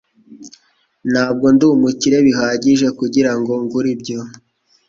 Ntabwo ndi umukire bihagije kugirango ngure ibyo